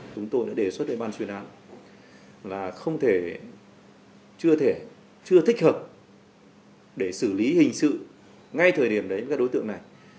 chúng tôi đã đề xuất đề bàn xuyên án là không thể chưa thể chưa thích hợp để xử lý hình sự ngay thời điểm đến các đối tượng này